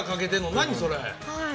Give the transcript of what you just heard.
何それ？